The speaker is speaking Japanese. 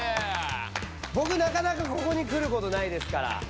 ぼくなかなかここにくることないですから。